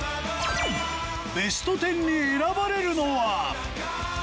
ベスト１０に選ばれるのは。